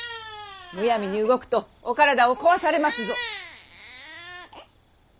むやみに動くとお体を壊されますぞ！